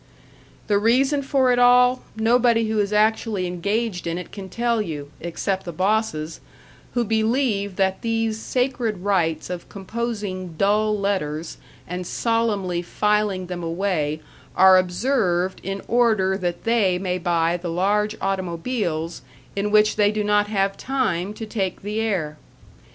The reason for it all, nobody who is actually engaged in it can tell you, except the bosses, who believe that these sacred rites of composing dull letters and solemnly filing them away are observed in order that they may buy the large automobiles in which they do not have time to take the air.